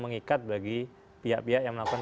mengikat bagi pihak pihak yang melakukan